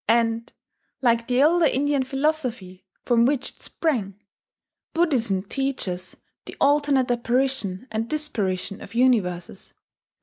And, like the older Indian philosophy from which it sprang, Buddhism teaches the alternate apparition and disparition of universes.